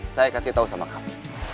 saya kasih tau sama kamu